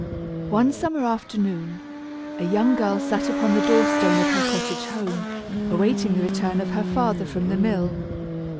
One summer afternoon, a young girl sat upon the door stone of her cottage home, awaiting the return of her father from the mill.